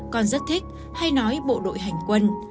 con rất thích hay nói bộ đội hành quân